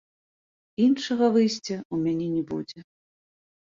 Іншага выйсця ў мяне не будзе.